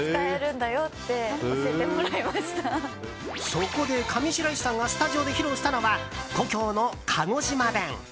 そこで、上白石さんがスタジオで披露したのは故郷の鹿児島弁。